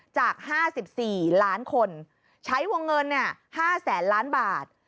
จาก๕๔ล้านคนใช้วงเงิน๕แสนล้านบาท